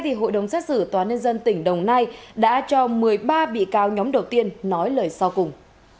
thì hội đồng xét xử tòa nhân dân tỉnh đồng nai đã cho một mươi ba bị cáo nhóm đầu tiên nói lời sau cùng